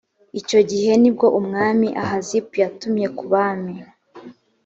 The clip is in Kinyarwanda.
icyo gihe ni bwo umwami ahazip yatumye ku bami